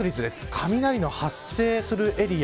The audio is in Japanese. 雷の発生するエリア。